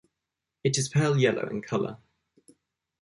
It is pale yellow in colour.